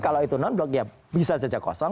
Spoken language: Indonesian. kalau itu non blok ya bisa saja kosong